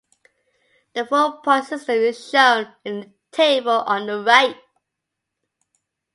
The full point system is shown in the table on the right.